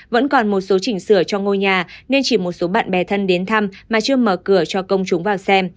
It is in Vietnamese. vẫn còn một số chỉnh sửa cho ngôi nhà nên chỉ một số bạn bè thân đến thăm mà chưa mở cửa cho công chúng vào xem